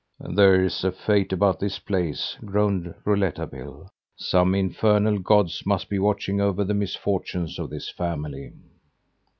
"There's a fate about this place!" groaned Rouletabille. "Some infernal gods must be watching over the misfortunes of this family!